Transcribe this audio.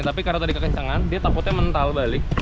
tapi karena tadi kekencangan dia takutnya mental balik